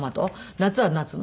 夏は夏の。